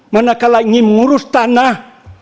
manakala ingin mengurus tanah